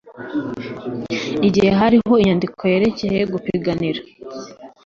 igihe hariho inyandiko yerekeye gupiganira